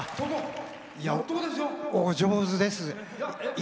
お上手です。